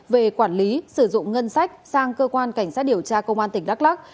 về quản lý sử dụng ngân sách sang cơ quan cảnh sát điều tra công an tỉnh đắk lắc